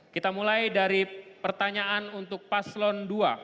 kita mulai dari pertanyaan untuk paslon dua